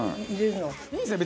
いいんですね